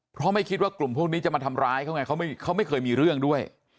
เพราะไม่คิดว่ากลุ่มพวกนี้จะมาทำร้ายเขาไงเขาไม่เคยมีเรื่องด้วย